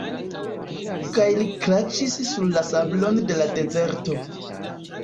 Kaj li kraĉis sur la sablon de la dezerto.